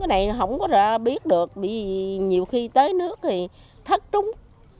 cái này không có ra biết được nhiều khi tới nước thì thất trúng